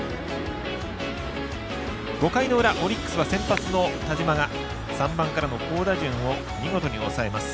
５回の裏、オリックスは先発の田嶋が３番からの好打順を見事に抑えます。